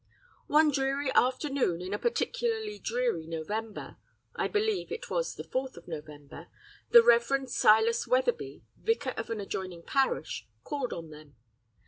"One dreary afternoon in a particularly dreary November, I believe it was the fourth of November, the Rev. Silas Wetherby, vicar of an adjoining Parish, called on them.